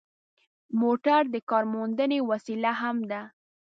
موټر د کارموندنې وسیله هم ده.